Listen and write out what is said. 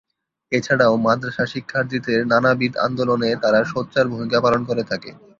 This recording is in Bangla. এছাড়াও মাদ্রাসা শিক্ষার্থীদের নানাবিধ আন্দোলনে তারা সোচ্চার ভূমিকা পালন করে থাকে।